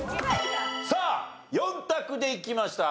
さあ４択でいきました。